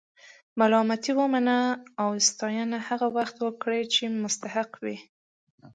ملامتي ومنه او ستاینه هغه وخت ورکړه چې مستحق وي.